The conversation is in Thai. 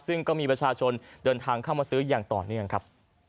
ซึ่งก็มีประชาชนเดินทางเข้ามาซื้ออย่างต่อเนื่องครับ